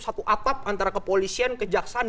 satu atap antara kepolisian kejaksaan